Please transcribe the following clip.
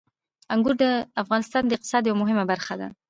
انګور د افغانستان د اقتصاد یوه مهمه برخه ده.